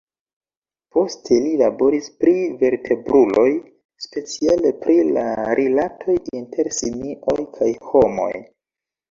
Poste, li laboris pri vertebruloj, speciale pri la rilatoj inter simioj kaj homoj.